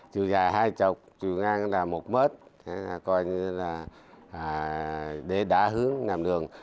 chiều dài hai chọc chiều ngang một mét để đả hướng làm đường